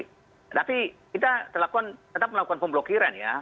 tapi kita tetap melakukan pemblokiran ya